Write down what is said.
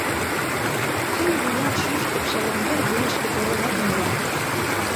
Ший вуян шӱшпыкшӧ Ломбер вуйышко толын ок муро.